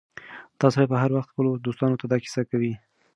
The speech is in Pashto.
دا سړی به هر وخت خپلو دوستانو ته دا کيسه کوي.